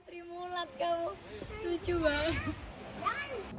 ngetri mulat kamu lucu banget